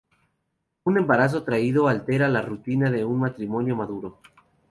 Un embarazo tardío altera la rutina de un matrimonio maduro.